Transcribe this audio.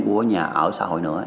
của nhà ở xã hội nữa